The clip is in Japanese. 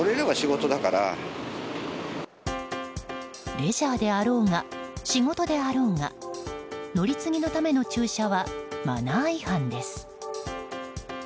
レジャーであろうが仕事であろうが乗り継ぎのための駐車はマナー違反です。